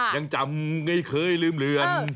ยังจำไม่เคยลืมเรือน